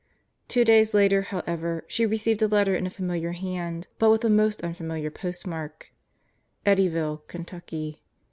Two days later, however, she received a letter in a familiar hand but with a most unfamiliar postmark Eddyville, Ken tucky.